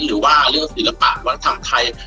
หรือว่าเรื่องศิลปะวัฒนธรรมไทย